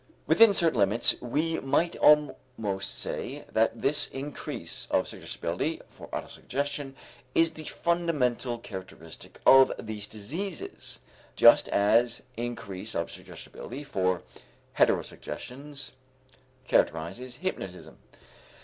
Within certain limits, we might almost say that this increase of suggestibility for autosuggestion is the fundamental characteristic of these diseases, just as increase of suggestibility for heterosuggestions characterizes hypnotism.